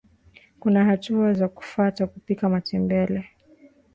kuna hatua za kufata kupika matembele